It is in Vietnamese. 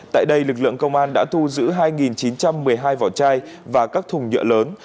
tại đây lực lượng công an đã thu giữ hai chín trăm một mươi hai vỏ chai và các thùng nhựa lớn